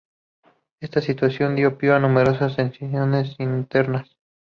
Esta situación dio pie a numerosas tensiones internas.